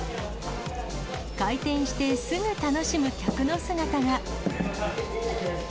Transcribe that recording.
開店してすぐ楽しむ客の姿が。